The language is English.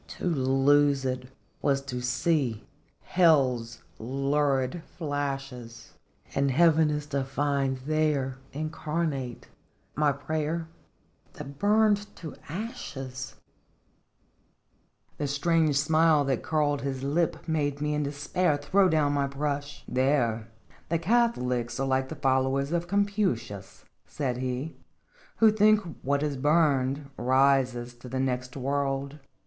To lose it was to see Hell's lurid flashes, And Heaven is to find there, incarnate, My prayer that burned to ashes !" The strange smile that curled his lip made me in despair throw down my brush. Sittgeb 4H0U)S. 57 " There the Catholics are like the followers of Confucius," said he, "who think what is burned rises to the next world.